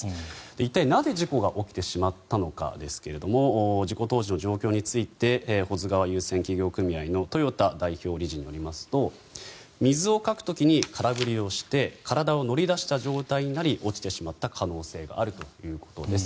一体、なぜ事故が起きてしまったのかですが事故当時の状況について保津川遊船企業組合の豊田代表理事によりますと水をかく時に空振りをして体を乗り出した状態になり落ちてしまった可能性があるということです。